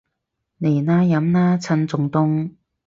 嚟啦，飲啦，趁仲凍